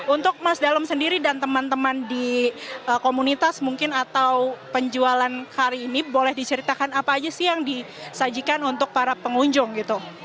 untuk mas dalem sendiri dan teman teman di komunitas mungkin atau penjualan hari ini boleh diceritakan apa aja sih yang disajikan untuk para pengunjung gitu